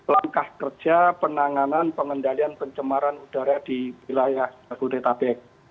langkah kerja penanganan pengendalian pencemaran udara di wilayah jabodetabek